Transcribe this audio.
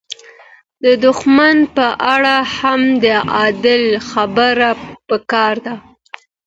د دښمن په اړه هم د عدل خبره پکار ده.